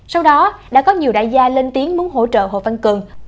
sau đó đã có nhiều đại gia lên tiếng muốn hỗ trợ hồ văn cường